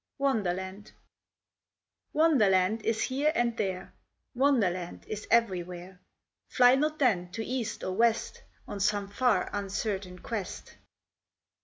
WONDERLAND Wonderland is here and there ; Wonderland is everywhere ; Fly not then to east or west On some far, uncertain quest.